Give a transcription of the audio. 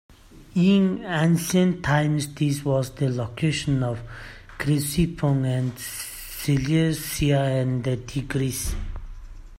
In ancient times this was the location of Ctesiphon and Seleucia on the Tigris.